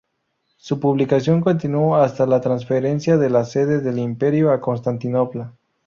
Su publicación continuó hasta la transferencia de la sede del imperio a Constantinopla.